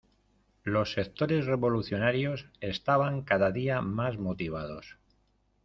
Los sectores revolucionarios estaban cada día más motivados.